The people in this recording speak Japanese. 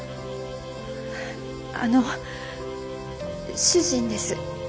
あの主人です。